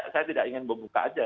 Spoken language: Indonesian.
saya tidak ingin membuka aja